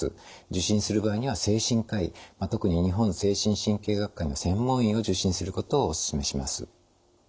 受診する場合には精神科医特に日本精神神経学会の専門医を受診することをおすすめします。